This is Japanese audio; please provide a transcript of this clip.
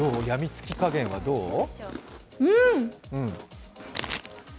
やみつき加減はどう？